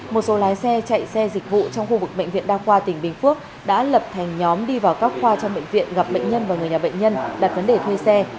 một số lái xe chạy xe dịch vụ trong khu vực bệnh viện đa khoa tỉnh bình phước đã lập thành nhóm đi vào các khoa trong bệnh viện gặp bệnh nhân và người nhà bệnh nhân đặt vấn đề thuê xe